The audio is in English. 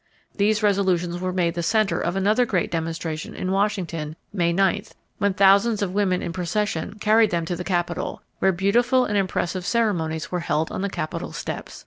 These resolutions were made the center of another great demonstration in Washington, May 9, when thousands of women in, procession carried them to the Capitol where beautiful and impressive ceremonies were held on the Capitol steps.